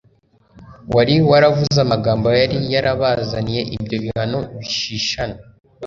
wari waravuze amagambo yari yarabazaniye ibyo bihano bishishana